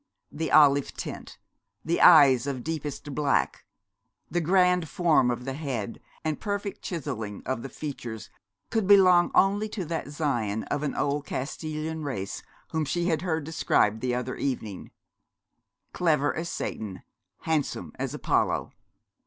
The olive tint, the eyes of deepest black, the grand form of the head and perfect chiselling of the features could belong only to that scion of an old Castilian race whom she had heard described the other evening 'clever as Satan, handsome as Apollo.'